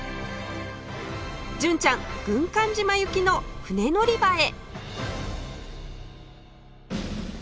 純ちゃん軍艦島行きの船乗り場へ！